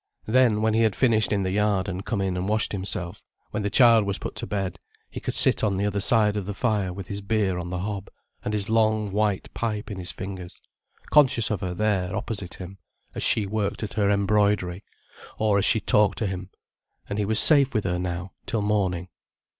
Then, when he had finished in the yard, and come in and washed himself, when the child was put to bed, he could sit on the other side of the fire with his beer on the hob and his long white pipe in his fingers, conscious of her there opposite him, as she worked at her embroidery, or as she talked to him, and he was safe with her now, till morning.